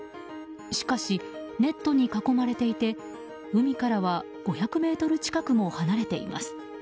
しかしネットに囲まれていて海からは５００ｍ近くも離れています。